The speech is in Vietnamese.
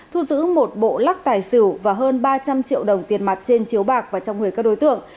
thu giữ một bộ lắc tài xỉu và hơn ba trăm linh triệu đồng tiền mặt trên chiếu bạc và trong người các đối tượng